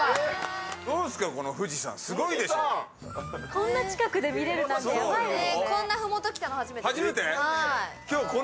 こんな近くで見れるなんてヤバいですね。